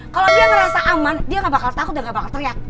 kalau dia ngerasa aman dia gak bakal takut dan nggak bakal teriak